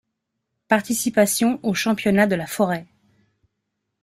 Participation au championnat de la forêt.